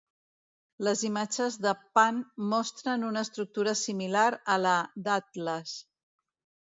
Les imatges de Pan mostren una estructura similar a la d'Atlas.